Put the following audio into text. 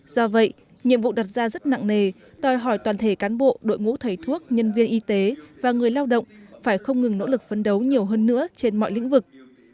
do vậy nhiệm vụ đặt ra rất nặng nề đòi hỏi toàn thể cán bộ đội ngũ thầy thuốc nhân viên y tế và người lao động phải không ngừng nỗ lực phấn đấu nhiều hơn nữa trên mọi lĩnh vực